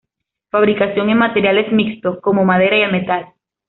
Fabricación en materiales mixtos como madera y el metal.